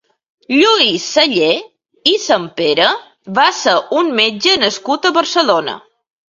Lluís Sayé i Sempere va ser un metge nascut a Barcelona.